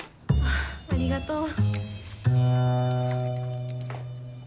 あっありがとう。